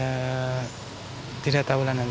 ya tidak tahulah nanti